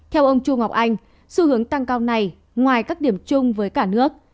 theo ông chu ngọc anh xu hướng tăng cao này ngoài các điểm chung với cả nước